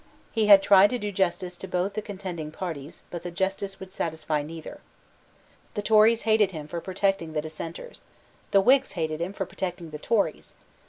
He had tried to do justice to both the contending parties; but justice would satisfy neither. The Tories hated him for protecting the Dissenters. The Whigs hated him for protecting the Tories.